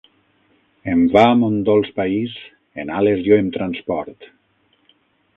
En va a mon dolç país en ales jo em transport